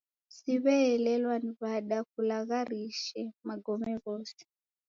Siw'eelelwa ni w'ada kulagharishe magome ghose.